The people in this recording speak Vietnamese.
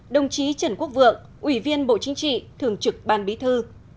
đồng chí trần quốc vượng ủy viên bộ chính trị thường trực ban bí thư